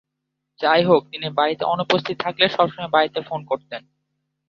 যাইহোক, তিনি বাড়িতে অনুপস্থিত থাকলে সবসময় বাড়িতে ফোন করতেন।